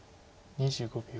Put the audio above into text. ２５秒。